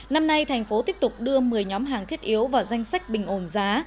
năm nay thành phố tiếp tục đưa một mươi nhóm hàng thiết yếu vào danh sách bình ổn giá